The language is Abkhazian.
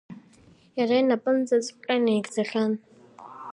Иара инапынҵаҵәҟьа наигӡахьан…